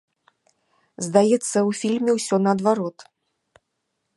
Здаецца, у фільме ўсё наадварот.